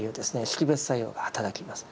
識別作用が働きます。